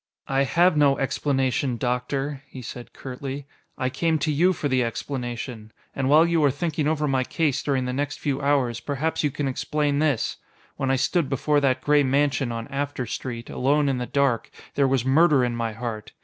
"I have no explanation. Doctor," he said curtly. "I came to you for the explanation. And while you are thinking over my case during the next few hours, perhaps you can explain this: when I stood before that gray mansion on After Street, alone in the dark, there was murder in my heart.